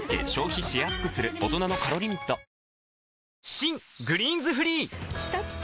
新「グリーンズフリー」きたきた！